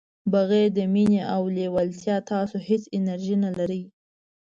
بغير د مینې او لیوالتیا تاسو هیڅ انرژي نه لرئ.